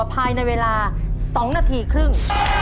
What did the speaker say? กลับไปในเวลา๒นาทีครึ่ง